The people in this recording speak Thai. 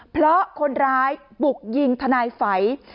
เพราะคนร้ายปลุกยิงทนายไฝ